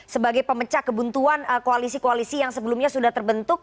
sebagai pemecah kebuntuan koalisi koalisi yang sebelumnya sudah terbentuk